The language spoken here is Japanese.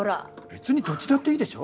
別にどっちだっていいでしょ。